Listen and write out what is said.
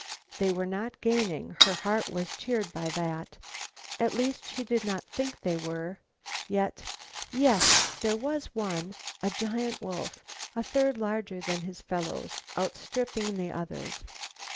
They were not gaining; her heart was cheered by that. At least she did not think they were, yet, yes, there was one, a giant wolf, a third larger than his fellows, outstripping the others.